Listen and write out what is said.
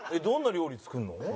どんな料理作るの？